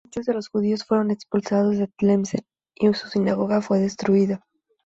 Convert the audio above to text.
Muchos de los judíos fueron expulsados de Tlemcen y su sinagoga fue destruida.